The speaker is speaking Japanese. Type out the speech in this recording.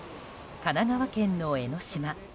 神奈川県の江の島。